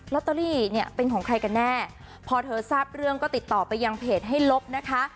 ตเตอรี่เนี่ยเป็นของใครกันแน่พอเธอทราบเรื่องก็ติดต่อไปยังเพจให้ลบนะคะ